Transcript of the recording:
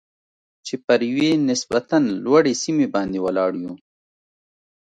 چې پر یوې نسبتاً لوړې سیمې باندې ولاړ یو.